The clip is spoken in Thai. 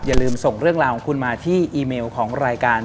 อย่าลืมส่งเรื่องราวของคุณมาที่อีเมลของรายการ